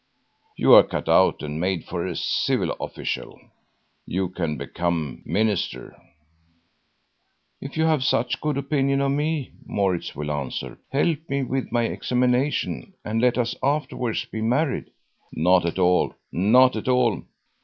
You are cut out and made for a civil official. You can become minister." "If you have such a good opinion of me," Maurits will answer, "help me with my examination and let us afterwards be married!" "Not at all, not at all.